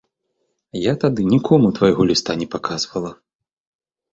Я тады нікому твайго ліста не паказвала.